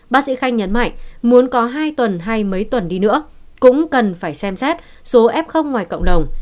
bác sĩ khanh nhấn mạnh muốn có hai tuần hay mấy tuần đi nữa cũng cần phải xem xét số f ngoài cộng đồng